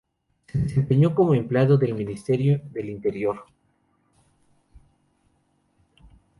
Se desempeñó como empleado del Ministerio del Interior.